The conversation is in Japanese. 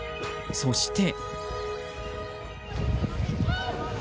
そして。